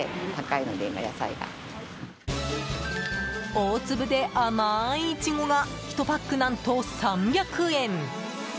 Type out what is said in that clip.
大粒で甘いイチゴが１パック何と３００円。